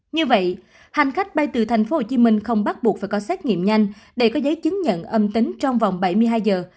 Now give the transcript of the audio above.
như vậy hành khách bay từ tp hcm không bắt buộc phải có xét nghiệm nhanh để có giấy chứng nhận âm tính trong vòng bảy mươi hai giờ